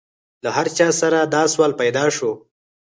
له هر چا سره دا سوال پیدا شو.